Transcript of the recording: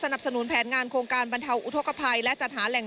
เหล้าบริการให้ทุกคนเห็นได้